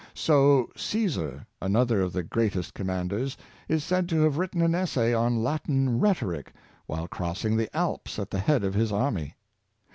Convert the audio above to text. So Caesar, another of the greatest commanders, is said to have written an essay on Latin Rhetoric while crossing the Alps at the head of his army.